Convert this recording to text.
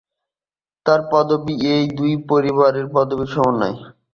তার পদবি এই দুই পরিবারের পদবির সমন্বয়।